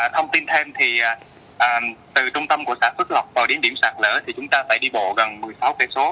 thông tin thêm thì từ trung tâm của xã phước lộc vào địa điểm sạt lở thì chúng ta phải đi bộ gần một mươi sáu km